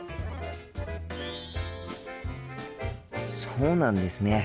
そうなんですね。